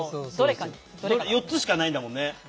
４つしかないんだもんね。